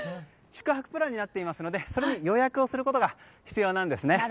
宿泊プランになっていますのでそれを予約することが必要なんですね。